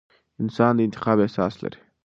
انسان د انتخاب احساس لري.